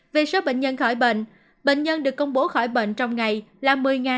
về số bệnh nhân khỏi bệnh bệnh nhân được công bố khỏi bệnh trong ngày là một mươi